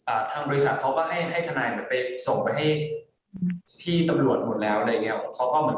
ทางบริษัทเขาก็ให้ให้ทนายเนี้ยไปส่งไปให้พี่ตำรวจหมดแล้วอะไรอย่างเงี้ย